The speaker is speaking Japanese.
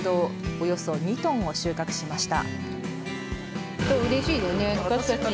およそ２トンを収穫しました。